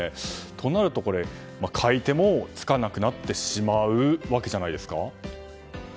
となると買い手もつかなくなってしまうわけじゃないですか。